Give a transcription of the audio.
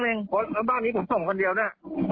เพราะบ้านนี้ผมส่งคนเดียวน่ะ